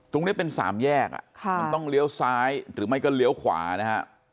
ตรงนี้เป็นสามแยกมันต้องเลี้ยวซ้ายหรือไม่ก็เลี้ยวขวานะฮะ